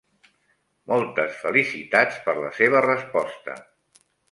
Moltes felicitats per la seva resposta.